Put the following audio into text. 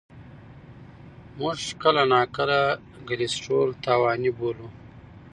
موږ کله ناکله کلسترول تاواني بولو.